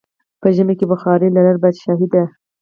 په ژمی کې بخارا لرل پادشاهي ده.